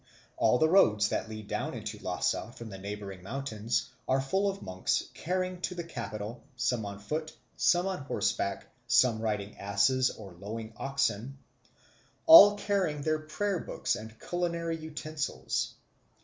All the roads that lead down into Lhasa from the neighbouring mountains are full of monks hurrying to the capital, some on foot, some on horseback, some riding asses or lowing oxen, all carrying their prayer books and culinary utensils.